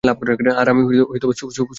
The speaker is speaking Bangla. আর আমি সুপার মডেলের মতো।